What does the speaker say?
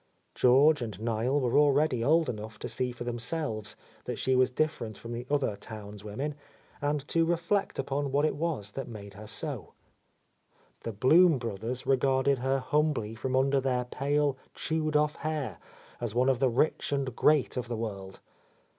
George and Niel were already old enough to see for themselves that she was different from the other townswomen, and to reflect upon what it was that made her so. The Blym brothers re garded her humbly from under their pale, chewed off hair, as one of the rich and great of the world.